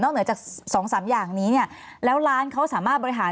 เหนือจากสองสามอย่างนี้เนี่ยแล้วร้านเขาสามารถบริหาร